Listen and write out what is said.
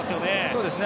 そうですね。